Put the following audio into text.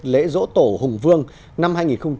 lễ dỗ tổ hùng vương năm hai nghìn hai mươi bốn